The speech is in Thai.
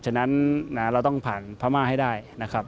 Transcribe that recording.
ฉะนั้นเราต้องผ่านพม่าให้ได้นะครับ